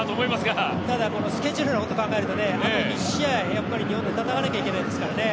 ただ、スケジュールのことを考えるとあと２試合、やっぱり日本で戦わなきゃいけないですからね。